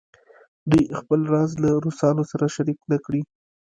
دوی خپل راز له روسانو سره شریک نه کړي.